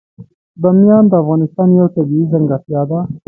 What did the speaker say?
بامیان د افغانستان یوه طبیعي ځانګړتیا ده.